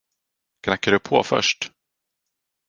Knackar du på först?